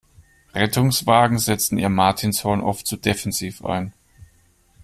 Rettungswagen setzen ihr Martinshorn oft zu defensiv ein.